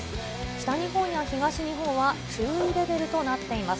北日本や東日本は注意レベルとなっています。